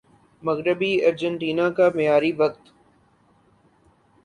مغربی ارجنٹینا کا معیاری وقت